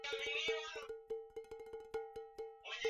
ya raia wa sudan kusini ambao wamepiga kura